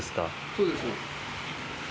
そうです。